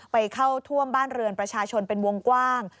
ไปเข้าท่วมบ้านเรือนประชาชนเป็นวงกว้าง